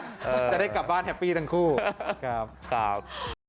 จะได้กลับบ้านแฮปปี้ทั้งคู่ครับ